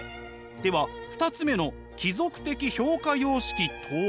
では２つ目の貴族的評価様式とは？